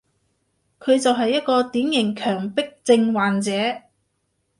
佢就係一個典型強迫症患者